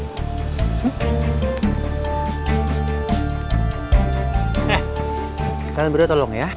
nih kalian berdua tolong ya